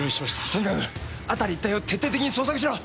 とにかく辺り一帯を徹底的に捜索しろ。